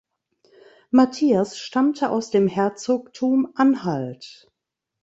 Matthias stammte aus dem Herzogtum Anhalt.